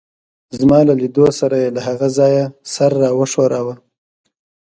زما له لیدو سره يې له هغه ځایه سر راته وښوراوه.